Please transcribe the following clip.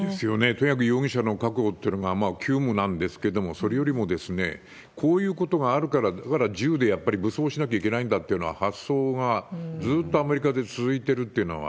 とにかく容疑者の確保っていうのが急務なんですけれども、それよりもこういうことがあるから、だから銃でやっぱり武装しなきゃいけないんだっていう発想がずっとアメリカで続いてるっていうのは。